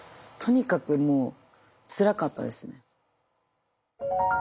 とにかくもうつらかったですね。